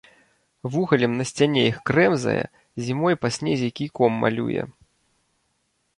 Вугалем на сцяне іх крэмзае, зімой па снезе кійком малюе.